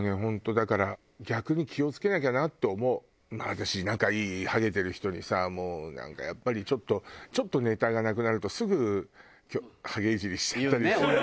私仲いいハゲてる人にさもうなんかやっぱりちょっとネタがなくなるとすぐハゲイジりしちゃったりするのよ。